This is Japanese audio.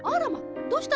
どうしたの？